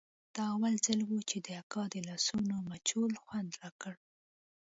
دا اول ځل و چې د اکا د لاسونو مچول خوند راکړ.